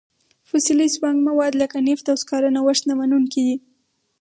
فسیلي سونګ مواد لکه نفت او سکاره نوښت نه منونکي دي.